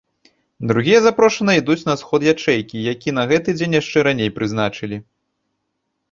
Другія запрошаныя ідуць на сход ячэйкі, які на гэты дзень яшчэ раней прызначылі.